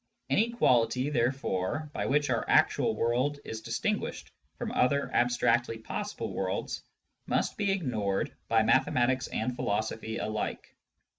Any quality, therefore, by which our actual world is distinguished from other abstractly possible worlds, must be ignored by mathematics and philosophy alike.